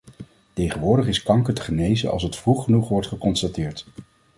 Tegenwoordig is kanker te genezen als het vroeg genoeg wordt geconstateerd.